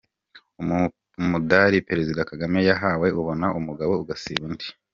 Umudari Perezida Kagame yahawe ubona umugabo ugasiba undi